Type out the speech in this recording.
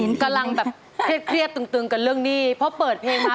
มีถอนหายใจค่ะกำลังแบบเท็บเตียบกับเรื่องนี้เพราะเปิดเพลงมา